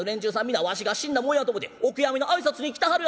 皆わしが死んだもんやと思てお悔やみの挨拶に来てはるやないかい」。